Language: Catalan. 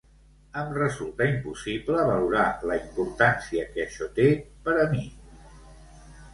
Em resulta impossible valorar la importància que això té per a mi.